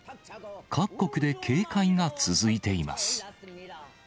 各国で警戒が続いています。